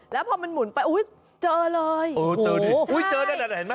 แล้วพอมันหมุนไปอุ้ยเจอเลยอุ้ยเจอแล้วเห็นมั้ย